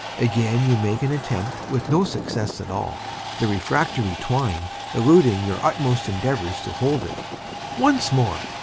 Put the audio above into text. Again you make an attempt with no success at all, the refractory twine eluding your utmost endeavors to hold it. Once more!